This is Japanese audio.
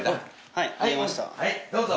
はいどうぞ。